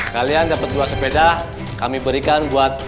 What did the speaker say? kalian dapat dua sepeda kami berikan buat